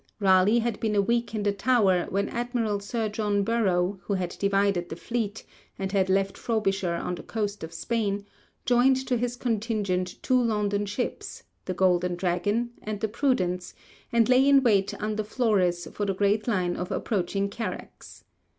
Raleigh had been a week in the Tower, when Admiral Sir John Burrough, who had divided the fleet and had left Frobisher on the coast of Spain, joined to his contingent two London ships, the 'Golden Dragon' and the 'Prudence,' and lay in wait under Flores for the great line of approaching carracks.